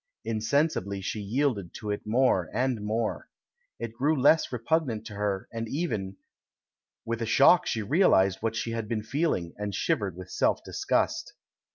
Insensibly she yielded to it more and more. It grew less repugnant to her, and even With a shock she realised what she had been feeling, and shivered with self disgust.